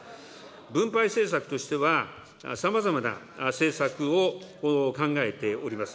分配政策としては、さまざまな政策を考えております。